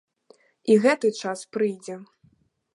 І гэты час прыйдзе!